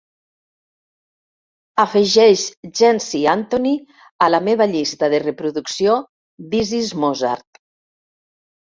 Afegeix Jency Anthony a la meva llista de reproducció This Is Mozart